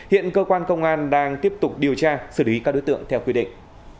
hiện cơ quan công an đang tiếp tục điều tra xử lý các đối tượng theo quy định